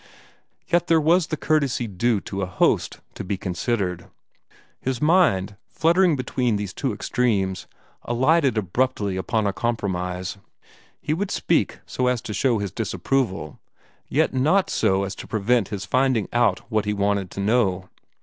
Yet there was the courtesy due to a host to be considered. His mind, fluttering between these two extremes, alighted abruptly upon a compromise. He would speak so as to show his disapproval, yet not so as to prevent his finding out what he wanted to know.